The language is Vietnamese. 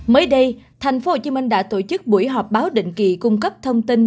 mới đây tp hcm đã tổ chức buổi họp báo định kỳ cung cấp thông tin